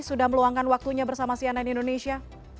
sudah meluangkan waktunya bersama cnn indonesia